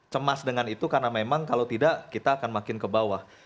cemas dengan itu karena memang kalau tidak kita akan makin ke bawah